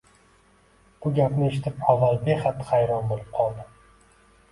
Bu gapni eshitib, awal behad hayron bo‘lib qoldi